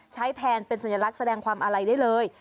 ใช้แทนเป็นสัญลักษณ์แสดงความอาลัยได้เลย